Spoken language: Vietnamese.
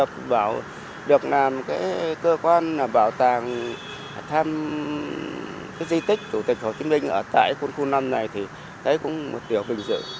mà được làm cơ quan bảo tàng thăm di tích chủ tịch hồ chí minh ở tại quân khu năm này thì thấy cũng một điều vinh dự